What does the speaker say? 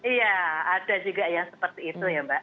iya ada juga yang seperti itu ya mbak